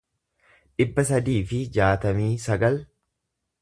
dhibba sadii fi jaatamii sagal